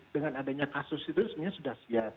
dengan adanya kasus itu sebenarnya sudah siap